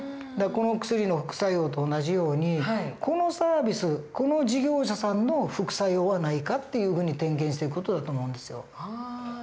だからこの薬の副作用と同じようにこのサービスこの事業者さんの副作用はないかっていうふうに点検していく事だと思うんですよ。